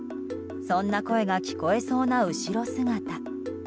そんな声が聞こえそうな後ろ姿。